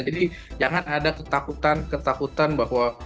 jadi jangan ada ketakutan ketakutan bahwa